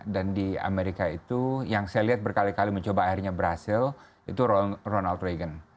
dan di amerika itu yang saya lihat berkali kali mencoba akhirnya berhasil itu ronald reagan